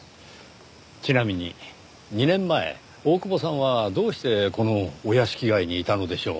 ちなみに２年前大久保さんはどうしてこのお屋敷街にいたのでしょう？